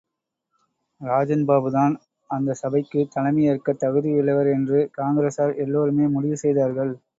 ராஜன் பாபு தான் அந்த சபைக்குத் தலைமையேற்கத் தகுதியுள்ளவர் என்று காங்கிரசார் எல்லோருமே முடிவு செய்தார்கள்.